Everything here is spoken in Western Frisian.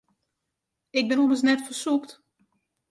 Ik bin ommers net fersûpt.